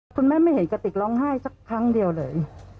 คุณแม่ไม่เห็นกระติกร้องไห้สักครั้งเดียวเลย